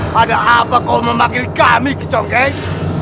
pada apa kau memanggil kami kecongkeng